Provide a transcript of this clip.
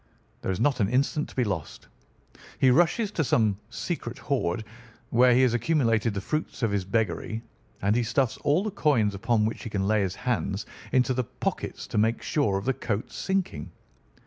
There is not an instant to be lost. He rushes to some secret hoard, where he has accumulated the fruits of his beggary, and he stuffs all the coins upon which he can lay his hands into the pockets to make sure of the coat's sinking.